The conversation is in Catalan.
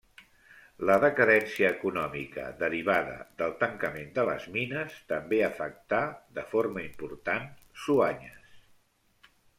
La decadència econòmica derivada del tancament de les mines també afectà de forma important Soanyes.